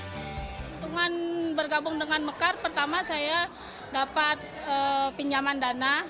keuntungan bergabung dengan mekar pertama saya dapat pinjaman dana